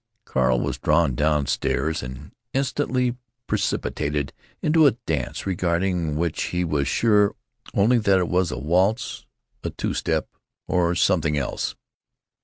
" Carl was drawn down stairs and instantly precipitated into a dance regarding which he was sure only that it was either a waltz, a two step, or something else.